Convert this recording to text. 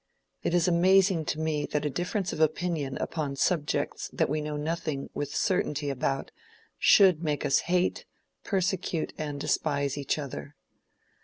It is amazing to me that a difference of opinion upon subjects that we know nothing with certainty about, should make us hate, persecute, and despise each other.